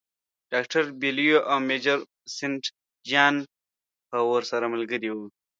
ډاکټر بیلیو او میجر سینټ جان به ورسره ملګري وي.